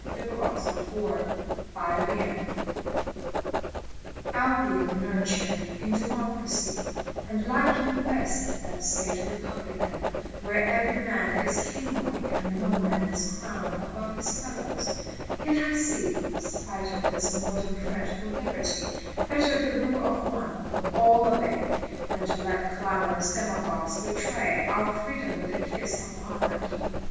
LIBERTATIS SACRA FAMES ALBEIT nurtured in democracy, And liking best that state republican Where every man is Kinglike and no man Is crowned above his fellows, yet I see, Spite of this modern fret for Liberty, Better the rule of One, whom all obey, Than to let clamorous demagogues betray Our freedom with the kiss of anarchy.